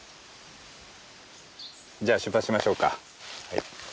じゃあ出発しましょうか。